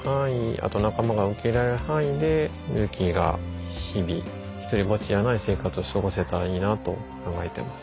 あと仲間が受け入れられる範囲でミルキーが日々独りぼっちじゃない生活を過ごせたらいいなと考えてます。